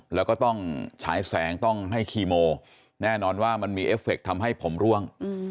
แล้วก็ต้องฉายแสงต้องให้คีโมแน่นอนว่ามันมีเอฟเฟคทำให้ผมร่วง